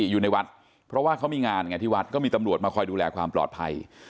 อยู่ในวัดเพราะว่าเขามีงานไงที่วัดก็มีตำรวจมาคอยดูแลความปลอดภัย